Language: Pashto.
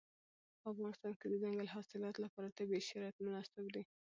په افغانستان کې د دځنګل حاصلات لپاره طبیعي شرایط مناسب دي.